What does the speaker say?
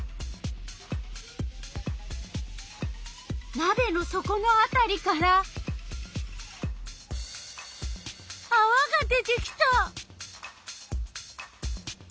なべのそこのあたりからあわが出てきた！